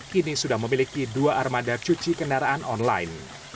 kini sudah memiliki dua armada cuci kendaraan online